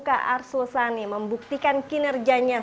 kak arso sani membuktikan kinerjanya